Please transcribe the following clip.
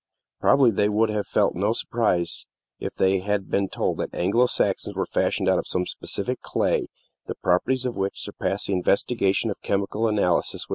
Probably they would have felt no surprise if they had been told that Anglo Saxons were fashioned out of some specific clay, the properties of which surpassed the investigation of chemical analysis.